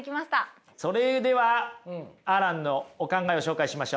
それではアランのお考えを紹介しましょう。